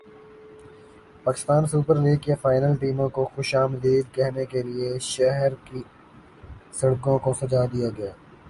Pakistan super league کا final ٹیموں کو خوش مدید کہنے کے لئے شہر کی سڑکوں کوسجا دیا گیا